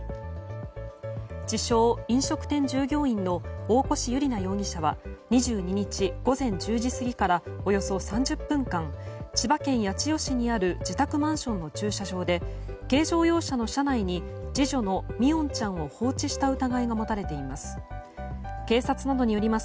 自称・飲食店従業員の大越悠莉奈容疑者は２２日午前１０時過ぎからおよそ３０分間千葉県八千代市にある自宅マンションの駐車場で軽乗用車の車内に次女の三櫻音ちゃんを放置した疑いが持たれています。